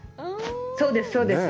そうです、そうです。